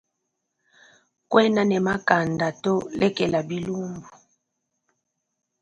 Kuena ne makanda to lekela bilumbu.